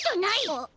あっ。